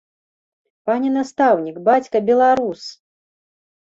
Пане настаўнік, бацька беларус!